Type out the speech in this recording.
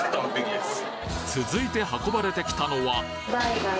続いて運ばれてきたのは？